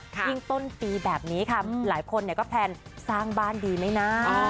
ยิ่งต้นปีแบบนี้ค่ะหลายคนก็แพลนสร้างบ้านดีไหมนะ